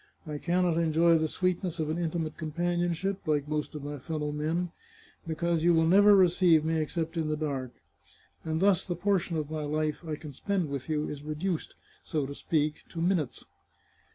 I can not enjoy the sweetness of an intimate companionship, like most of my fellow men, be cause you will never receive me except in the dark, and thus the portion of my life I can spend with you is reduced, so to speak, to minutes."